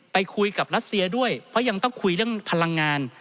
ไปคุยกับรัสเซียด้วยเพราะยังต้องคุยเรื่องพลังงาน